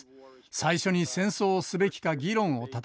最初に戦争をすべきか議論を戦わせます。